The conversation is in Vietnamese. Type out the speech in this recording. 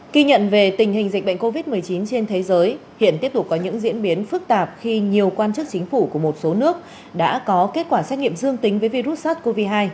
kỳ nhận về tình hình dịch bệnh covid một mươi chín trên thế giới hiện tiếp tục có những diễn biến phức tạp khi nhiều quan chức chính phủ của một số nước đã có kết quả xét nghiệm dương tính với virus sars cov hai